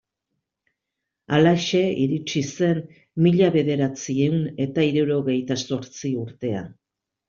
Halaxe iritsi zen mila bederatziehun eta hirurogeita zortzi urtea.